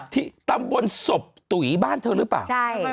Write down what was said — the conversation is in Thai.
ที่ตำบลศพตุ๋ยบ้านเธอหรือเปล่า